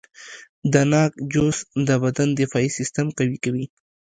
د ناک جوس د بدن دفاعي سیستم قوي کوي.